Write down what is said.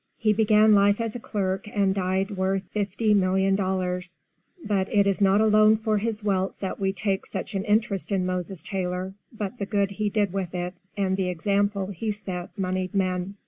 He began life as a clerk and died worth $50,000,000; but it is not alone for his wealth that we take such an interest in Moses Taylor, but the good he did with it, and the example he set moneyed men.